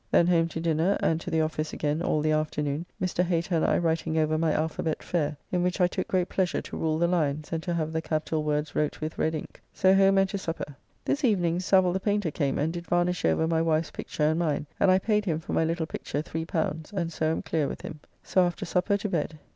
Then home to dinner and to the office again all the afternoon, Mr. Hater and I writing over my Alphabet fair, in which I took great pleasure to rule the lines and to have the capitall words wrote with red ink. So home and to supper. This evening Savill the Paynter came and did varnish over my wife's picture and mine, and I paid him for my little picture L3, and so am clear with him. So after supper to bed.